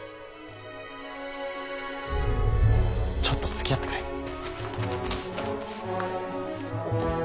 ちょっとつきあってくれ。